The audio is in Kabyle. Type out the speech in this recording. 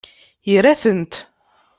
Ira-tent.